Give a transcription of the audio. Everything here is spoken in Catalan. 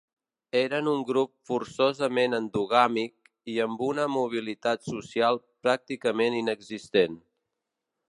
Eren un grup forçosament endogàmic i amb una mobilitat social pràcticament inexistent.